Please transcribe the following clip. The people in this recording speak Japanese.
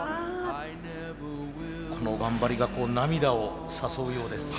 この頑張りが涙を誘うようです。